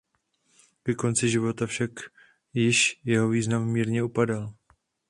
Ke konci života však již jeho význam mírně upadal.